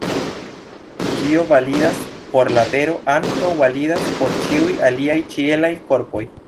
Kio validas por la Tero, ankaŭ validas por ĉiuj aliaj ĉielaj korpoj.